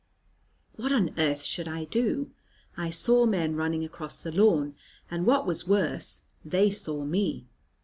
What on earth should I do? I saw men running across the lawn, and, what was worse, they saw me.